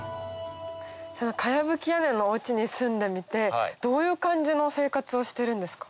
茅ぶき屋根のお家に住んでみてどういう感じの生活をしてるんですか？